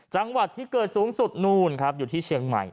จังหวัดที่เกิดสูงสุดนู่นครับอยู่ที่เชียงใหม่